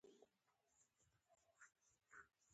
سالم زړه د بدن د نورو برخو لپاره مهم دی.